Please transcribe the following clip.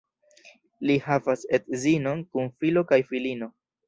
Li havas edzinon kun filo kaj filino.